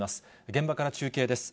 現場から中継です。